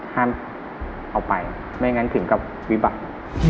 ห้ามเอาไปไม่อย่างนั้นถึงกับวิบัติ